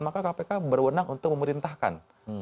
maka kpk berwenang untuk memerintahkan